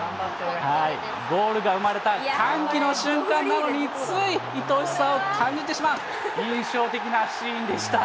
ゴールが生まれた歓喜の瞬間なのについ、いとしさを感じてしまう、印象的なシーンでした。